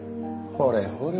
ほれほれ